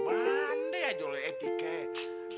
bandai aja oleh etiknya